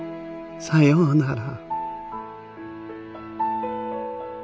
さようなら。